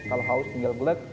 kalau haus tinggal belek